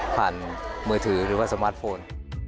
มือถือหรือว่าสมาร์ทโฟน